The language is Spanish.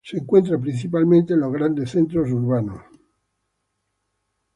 Se encuentra principalmente en los grandes centros urbanos.